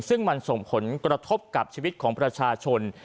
ซึ่งมันส่งผลกระทบกับชีวิตของประชาชน